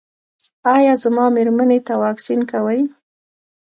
ایا زما میرمنې ته واکسین کوئ؟